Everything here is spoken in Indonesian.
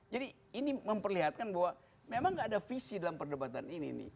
jadi ini memperlihatkan bahwa memang gak ada visi dalam perdebatan ini